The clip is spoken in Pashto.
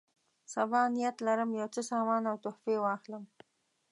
سبا نیت لرم یو څه سامان او تحفې واخلم.